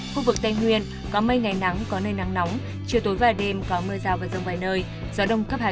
khu vực tây nguyên có mây ngày nắng có nơi nắng nóng chiều tối và đêm có mưa rào và rông vài nơi gió đông cấp hai